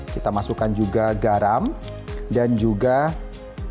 kita masukkan juga garam dan juga